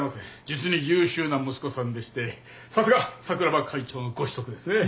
実に優秀な息子さんでしてさすが桜庭会長のご子息ですね。